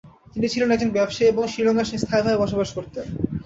তিনি ছিলেন একজন ব্যবসায়ী এবং শিলংয়ে স্থায়ীভাবে বসবাস করতেন।